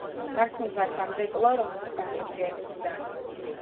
მარცხნივ დგას სამრეკლო, რომელზეც დაკიდებულია ექვსი ზარი.